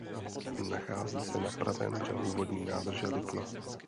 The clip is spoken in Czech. Nachází se na pravém břehu vodní nádrže Lipno.